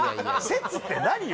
説って何よ